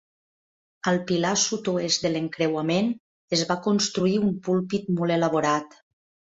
Al pilar sud-oest de l"encreuament es va construir un púlpit molt elaborat.